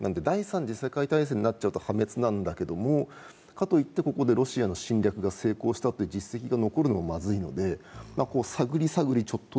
第三次世界大戦になってしまったら破滅なんだけれども、かといってここでロシアの侵略が成功した実績が残るのもまずいんで探り探り